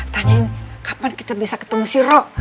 tanyain kapan kita bisa ketemu sih rok